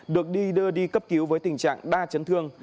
được đi đưa đi cấp cứu với tình trạng đa chấn thương